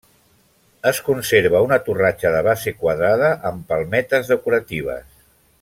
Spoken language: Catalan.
Es conserva una torratxa de base quadrada amb palmetes decoratives.